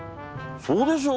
そうでしょ！